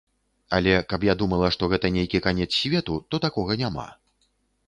Але, каб я думала, што гэта нейкі канец свету, то такога няма.